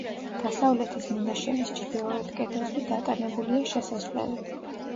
დასავლეთის მინაშენის ჩრდილოეთ კედელში დატანებულია შესასვლელი.